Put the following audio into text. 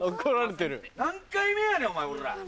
何回目やねんお前おら！